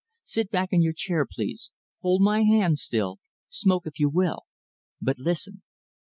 Sit back in your chair, please, hold my hand still, smoke if you will, but listen."